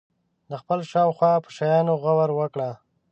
د خپل شاوخوا په شیانو غور وکړي.